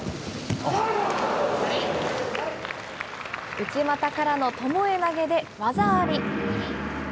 内股からのともえ投げで技あり。